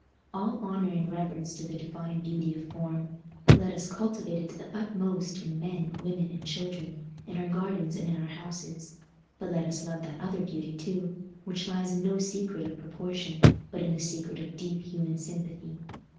All honour and reverence to the divine beauty of form! Let us cultivate it to the utmost in men, women, and children—in our gardens and in our houses. But let us love that other beauty too, which lies in no secret of proportion, but in the secret of deep human sympathy.